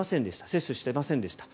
接種していませんでした。